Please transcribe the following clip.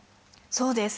そうです。